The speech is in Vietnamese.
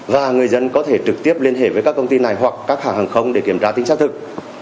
và người dân có thể trực tiếp liên hệ với các công ty này hoặc các hãng hàng không để kiểm tra tính xác thực